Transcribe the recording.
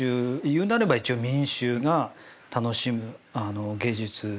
言うなれば一応民衆が楽しむ芸術の世界。